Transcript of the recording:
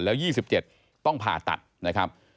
แล้ว๒๗ต้องผ่าตัดนะครับ